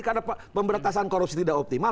karena pemberantasan korupsi tidak optimal